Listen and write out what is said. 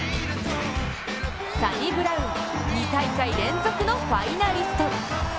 サニブラウン、２大会連続のファイナリスト。